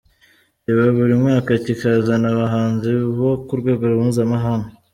Kiba buri mwaka kikazana abahanzi bo ku rwego mpuzamahanga.